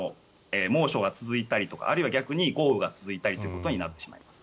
猛暑が続いたりとかあるいは逆に豪雨が続いたりということになってしまいます。